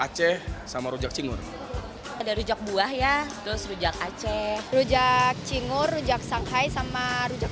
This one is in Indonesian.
aceh sama rujak cingur ada rujak buah ya terus rujak aceh rujak cingur rujak shanghai sama rujak